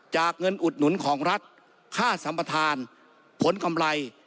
เงินอุดหนุนของรัฐค่าสัมปทานผลกำไร